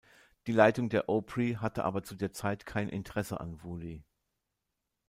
Die Leitung der Opry hatte aber zu der Zeit kein Interesse an Wooley.